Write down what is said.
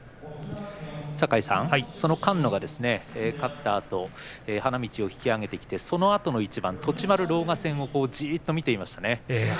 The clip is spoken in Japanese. その菅野ですが勝ったあと花道を引き揚げてきてそのあとの一番栃丸、狼雅戦をじっと見ていました。